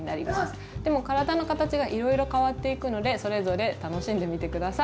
でも体の形がいろいろ変わっていくのでそれぞれ楽しんでみて下さい。